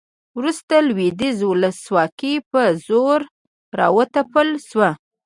وروسته لویدیځه ولسواکي په زور راوتپل شوه